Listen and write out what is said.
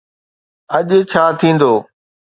اڄ ڇا ٿيندو؟